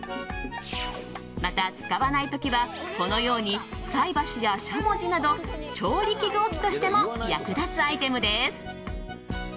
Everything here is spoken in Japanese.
また、使わない時はこのように菜箸や、しゃもじなど調理器具置きとしても役立つアイテムです。